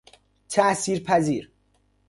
تأثیر پذیر